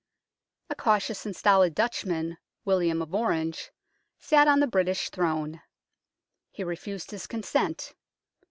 A cautious and stolid Dutchman, William of Orange, sat on the British throne. He refused his consent.